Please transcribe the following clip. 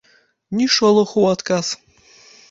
Ні шолаху ў адказ.